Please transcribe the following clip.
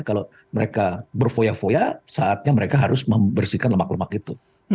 kalau mereka berfoya foya saatnya mereka harus membersihkan lemak lemak itu